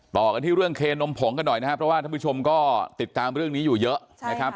ต่อกันที่เรื่องเคนมผงกันหน่อยนะครับเพราะว่าท่านผู้ชมก็ติดตามเรื่องนี้อยู่เยอะนะครับ